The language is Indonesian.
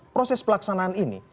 proses pelaksanaan ini